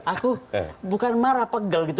aku bukan marah pegel gitu